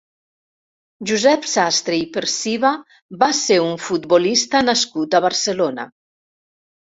Josep Sastre i Perciba va ser un futbolista nascut a Barcelona.